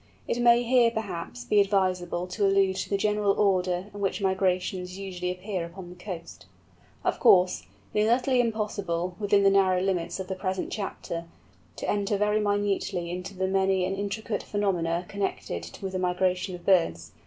It may here, perhaps, be advisable to allude to the general order in which migrants usually appear upon the coast. Of course, it is utterly impossible, within the narrow limits of the present chapter, to enter very minutely into the many and intricate phenomena connected with the migration of birds.